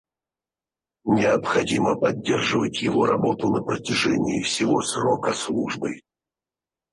Необходимо поддерживать его работу на протяжении всего срока службы